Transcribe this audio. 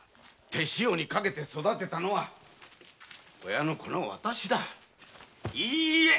手塩にかけて育てたのはこのわたしだいいえ